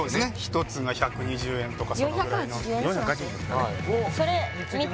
１つが１２０円とかそのぐらいの４８０円にします？